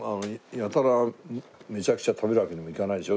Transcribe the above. やたらめちゃくちゃ食べるわけにもいかないでしょ？